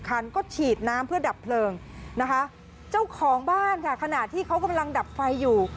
คันก็ฉีดน้ำเพื่อดับเพลิงนะคะเจ้าของบ้านค่ะขณะที่เขากำลังดับไฟอยู่